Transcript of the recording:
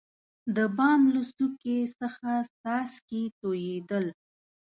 دبام له څوکي څخه څاڅکي تویدل.